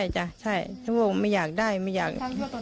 ใช่ไม่อยากได้ไม่อยาก